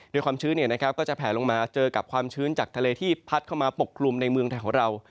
ความชื้นก็จะแผลลงมาเจอกับความชื้นจากทะเลที่พัดเข้ามาปกกลุ่มในเมืองไทยของเรา